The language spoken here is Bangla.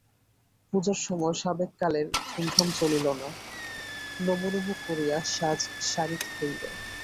পূজার সময় সাবেক কালের ধূমধাম চলিল না, নমোনমো করিয়া কাজ সারিতে হইল।